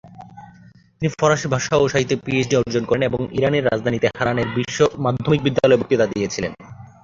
তিনি ফারসি ভাষা ও সাহিত্যে পিএইচডি অর্জন করেন এবং ইরানের রাজধানী তেহরানের মাধ্যমিক বিদ্যালয়ে বক্তৃতা দিয়েছিলেন।